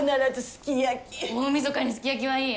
大みそかにすき焼きはいい！